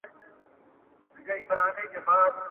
افغان زده کوونکي د وینا بشپړه ازادي نه لري.